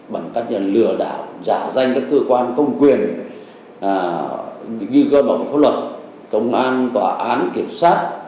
bằng cách lừa đảo giả danh các cơ quan công quyền như cơ bản pháp luật công an tòa án kiểm soát